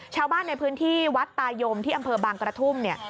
ชาวบ้านในพื้นที่วัดตายมที่อำเภอบางกระทุ่มเนี่ย